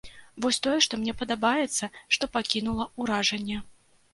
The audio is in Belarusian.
Вось тое, што мне падабаецца, што пакінула ўражанне.